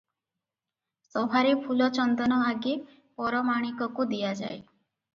ସଭାରେ ଫୁଲଚନ୍ଦନ ଆଗେ ପରମାଣିକକୁ ଦିଆଯାଏ ।